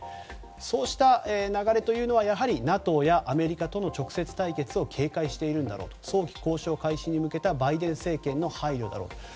そうした流れというのはやはりＮＡＴＯやアメリカとの直接対決を警戒しているんだろうと早期交渉開始に向けたバイデン政権の配慮だろうと。